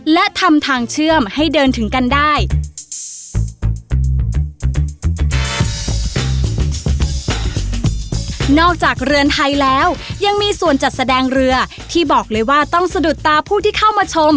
แล้วยังมีส่วนจัดแสดงเรือที่บอกเลยว่าต้องสะดุดตาผู้ที่เข้ามาชม